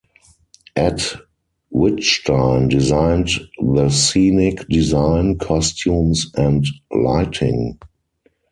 Ed Wittstein designed the scenic design, costumes and lighting.